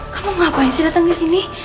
kamu ngapain sih dateng disini